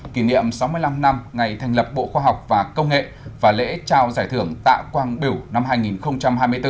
kỷ niệm sáu mươi năm năm ngày thành lập bộ khoa học và công nghệ và lễ trao giải thưởng tạ quang biểu năm hai nghìn hai mươi bốn